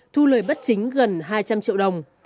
thu lời bất chính gần hai trăm linh triệu đồng